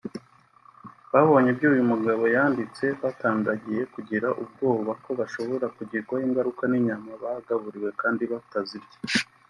babonye ibyo uyu mugabo yanditse batandangiye kugira ubwoba ko bashobora kugirwaho ingaruka n’inyama bagaburiwe kandi batazirya